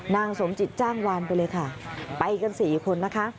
นางสมจิตจ้างวานไปเลยค่ะไปกัน๔คนนะคะ